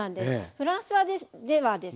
フランスではですね